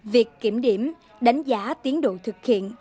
việc kiểm điểm đánh giá tiến đội